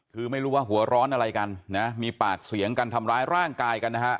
คือไม่รู้ว่าหัวร้อนอะไรกันนะมีปากเสียงกันทำร้ายร่างกายกันนะฮะ